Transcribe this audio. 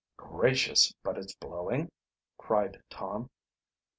"Gracious, but it is blowing!" cried Tom.